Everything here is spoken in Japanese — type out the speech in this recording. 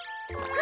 あ。